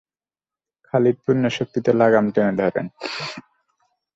খালিদ পূর্ণশক্তিতে লাগাম টেনে ধরেন।